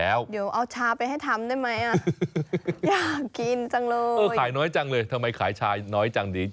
เออขายน้อยจังเลยทำไมขายชาน้อยจังดี